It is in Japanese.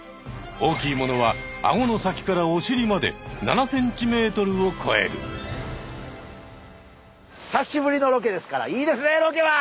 大きいものはアゴの先からおしりまで久しぶりのロケですからいいですねロケは！